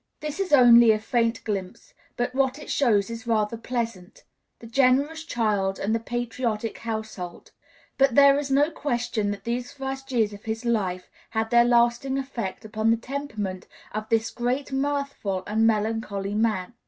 This is only a faint glimpse, but what it shows is rather pleasant the generous child and the patriotic household. But there is no question that these first years of his life had their lasting effect upon the temperament of this great mirthful and melancholy man.